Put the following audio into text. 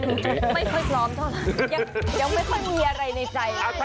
ไม่เพิ่ยพร้อมที่ตอนนี้ไม่ค่อยมีอะไรในใจ